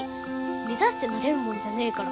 目指してなれるもんじゃねぇから。